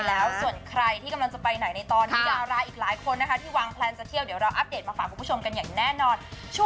แล้วส่วนใครที่กำลังจะไปไหนในตอนนี้ดาราอีกหลายคนนะคะที่วางแพลนจะเที่ยวเดี๋ยวเราอัปเดตมาฝากคุณผู้ชมกันอย่างแน่นอน